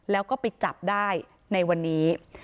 แล้วก็ไปจับได้ในวันนี้